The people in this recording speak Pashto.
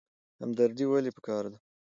همدردي ولې پکار ده؟